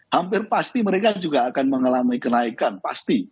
hampir pasti mereka juga akan mengalami kenaikan pasti